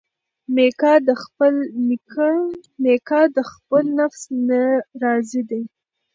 میکا د خپل نفس نه راضي دی.